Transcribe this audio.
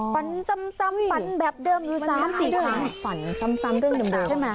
ฝันซ้ำซ้ำฝันแบบเดิมอยู่สามสี่ครั้งฝันซ้ำซ้ำเรื่องเดิมเดิมใช่ไหม